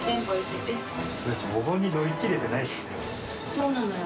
そうなのよ。